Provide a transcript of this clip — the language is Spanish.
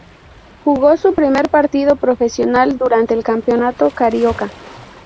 Jugó su primer partido profesional durante el Campeonato Carioca.